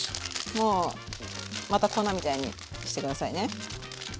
もうまた粉みたいにして下さいね。